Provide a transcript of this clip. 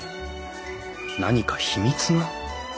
何か秘密が？